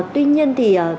tuy nhiên thì